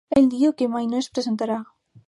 Ell diu que mai no es presentarà.